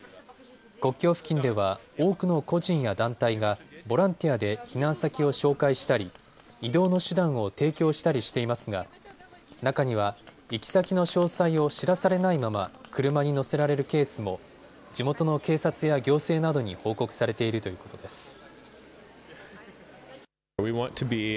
国境付近では多くの個人や団体がボランティアで避難先を紹介したり移動の手段を提供したりしていますが中には行き先の詳細を知らされないまま車に乗せられるケースも地元の警察や行政などに報告されているということです。